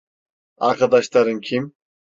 Arkadaşların kim?